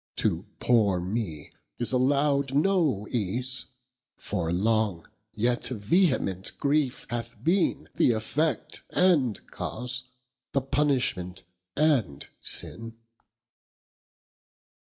To (poore) me is allow'd No ease; for, long, yet vehement griefe hath beene Th'effect and cause, the punishment and sinne.